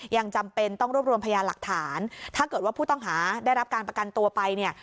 ยังจำเป็นต้องรวบรวมพยานหลักฐานถ้าเกิดว่าผู้ต้องหาได้รับการประกันตัวไปเนี่ย